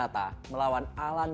dari dua pertandingan sama anda